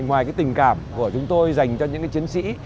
ngoài tình cảm của chúng tôi dành cho những chiến sĩ